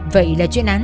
vậy là chuyện án